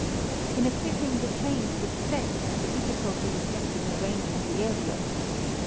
In equipping the trains with sets a difficulty was met in arranging the aerials.